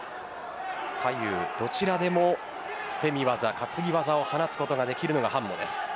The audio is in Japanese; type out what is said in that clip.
左右どちらでも捨身技担ぎ技を放つことができるのがハンモです。